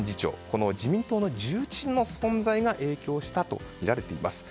この自民党の重鎮の存在が影響したとみられています。